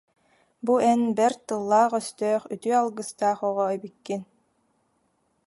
Бу эн бэрт тыллаах-өстөөх, үтүө алгыстаах оҕо эбиккин